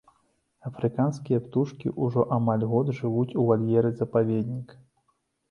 Афрыканскія птушкі ўжо амаль год жывуць у вальеры запаведніка.